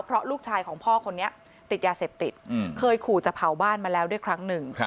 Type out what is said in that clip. เพราะลูกชายของพ่อคนนี้ติดยาเสพติดเคยขู่จะเผาบ้านมาแล้วด้วยครั้งหนึ่ง